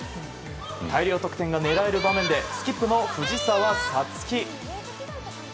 大量得点が狙える場面でスキップの藤澤五月。